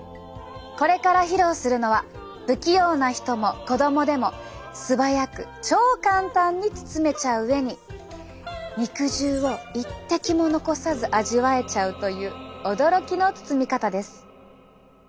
これから披露するのは不器用な人も子供でも素早く超簡単に包めちゃう上に肉汁を一滴も残さず味わえちゃうという驚きの包み方です。